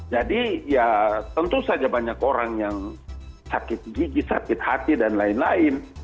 jadi ya tentu saja banyak orang yang sakit gigi sakit hati dan lain lain